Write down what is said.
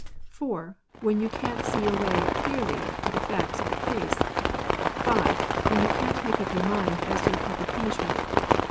] (4.) When you can't see your way clearly as to the facts of the case. (5.) When you can't make up your mind as to the proper punishment.